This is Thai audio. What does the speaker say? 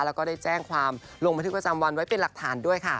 แล้วก็ได้แจ้งความลงบันทึกประจำวันไว้เป็นหลักฐานด้วยค่ะ